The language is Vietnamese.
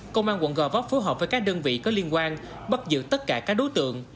công an quận gò vóc phối hợp với các đơn vị có liên quan bắt giữ tất cả các đối tượng